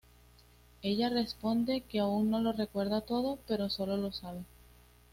Ella responde que aún no lo recuerda todo, pero solo lo sabe.